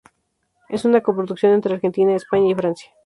Es una coproducción entre Argentina, España y Francia.